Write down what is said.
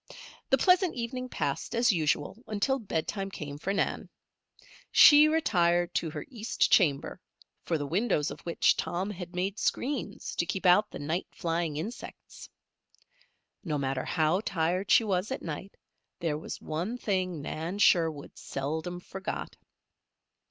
The pleasant evening passed as usual until bedtime came for Nan. She retired to her east chamber, for the windows of which Tom had made screens to keep out the night flying insects. No matter how tired she was at night there was one thing Nan Sherwood seldom forgot.